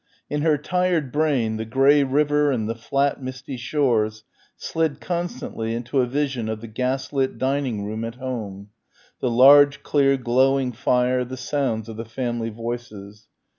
In her tired brain the grey river and the flat misty shores slid constantly into a vision of the gaslit dining room at home ... the large clear glowing fire, the sounds of the family voices.